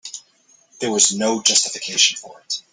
There was no justification for it.